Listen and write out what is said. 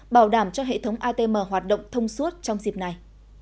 bảo đảm cho hệ thống atm hoạt động thông suốt trong dịp này